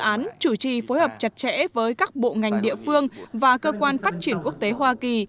án chủ trì phối hợp chặt chẽ với các bộ ngành địa phương và cơ quan phát triển quốc tế hoa kỳ